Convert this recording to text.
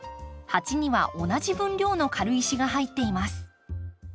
鉢には同じ分量の軽石が入っています。